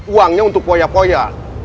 uangnya untuk poya poya